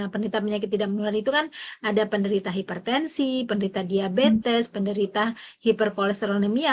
penderita penyakit tidak menular itu kan ada penderita hipertensi penderita diabetes penderita hiperkolesteronemia